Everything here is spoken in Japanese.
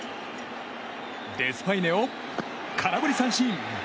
デスパイネを空振り三振！